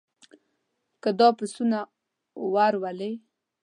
که دا پسونه ور ولې.